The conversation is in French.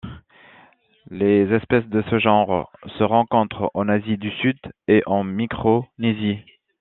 Les espèces de ce genre se rencontrent en Asie du Sud et en Micronésie.